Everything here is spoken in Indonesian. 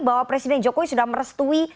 bahwa presiden jokowi sudah merestui